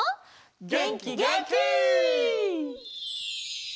げんきげんき！